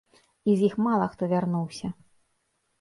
І з іх мала хто вярнуўся.